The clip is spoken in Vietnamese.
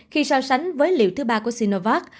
khi so sánh với liệu thứ ba của sinovac